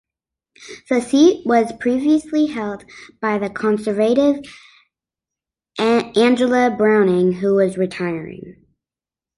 The seat was previously held by the Conservative Angela Browning who was retiring.